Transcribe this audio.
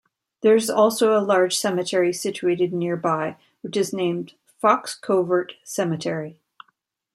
There is also a large cemetery situated nearby which is named Fox Covert Cemetery.